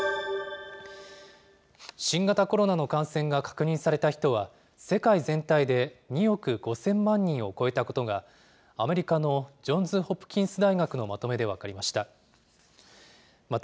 新型コロナの感染が確認された人は、世界全体で２億５０００万人を超えたことが、アメリカのジョンズ・ホプキンス大学のまとめで分かりました。